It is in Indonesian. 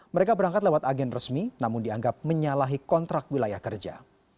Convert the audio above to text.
mereka berangkat lewat agen resmi namun dianggap menyalahi kontrak wilayah kerja